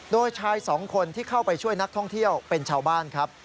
โดยชายสองคนที่เข้าไปช่วยนักท่องเที่ยวเป็นชาวบ้านครับ